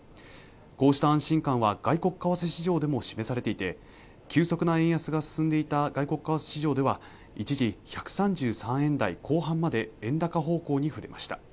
こうした安心感は外国為替市場でも示されていて急速な円安が進んでいた外国為替市場では一時１３３円台後半まで円高方向に振れました